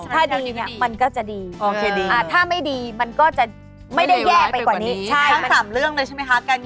ทั้ง๓เรื่องเลยใช่ไหมคะการงานการมีความรักเหมือนเดิมอ๋อ